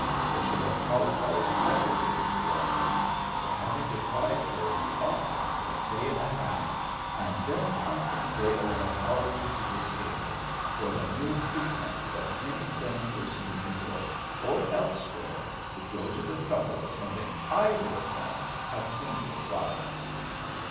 They should apologise publicly to the young lady for having deprived her of the offering for a day and a half, and then I think they owe an apology to this table for the mere pretence that any sane person in New York or elsewhere would go to the trouble of sending either of them a single flower."